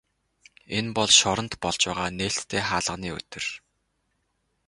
Энэ бол шоронд болж байгаа нээлттэй хаалганы өдөр.